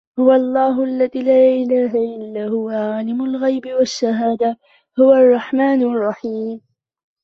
هو الله الذي لا إله إلا هو عالم الغيب والشهادة هو الرحمن الرحيم